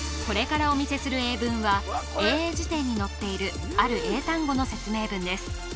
これからお見せする英文は英英辞典に載っているある英単語の説明文です